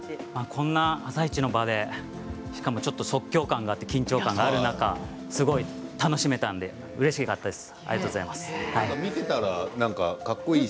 こんな「あさイチ」の場でしかもちょっと即興感があって緊張感があるのがすごい楽しめたのでうれしかったです。